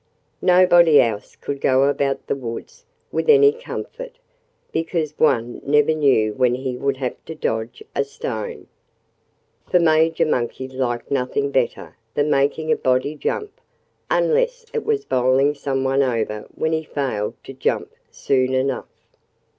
Nobody else could go about the woods with any comfort, because one never knew when he would have to dodge a stone. For Major Monkey liked nothing better than making a body jump unless it was bowling someone over when he failed to jump soon enough.